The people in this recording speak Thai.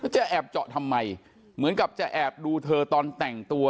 จะแอบเจาะทำไมเหมือนกับจะแอบดูเธอตอนแต่งตัว